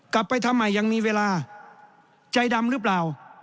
กลับไปทำใหม่ยังมีเวลาใจดำหรือเปล่า